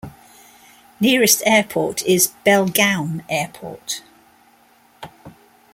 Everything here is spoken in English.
Nearest airport is Belgaum Airport.